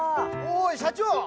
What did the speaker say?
おーい社長